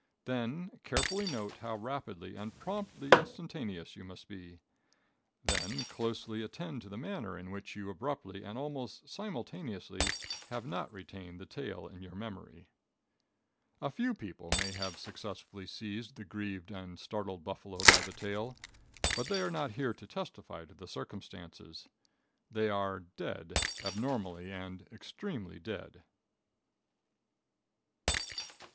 Then carefully note how rapidly and promptly instantaneous you must be. Then closely attend to the manner in which you abruptly and almost simultaneously, have not retained the tail in your memory. A few people may have successfully seized the grieved and startled buffalo by the tail, but they are not here to testify to the circumstances. They are dead, abnormally and extremely dead.